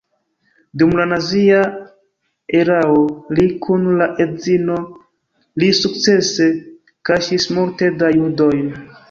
Dum la nazia erao li kun la edzino li sukcese kaŝis multe da judojn.